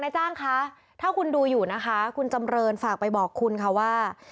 จ้างคะถ้าคุณดูอยู่นะคะคุณจำเรินฝากไปบอกคุณค่ะว่า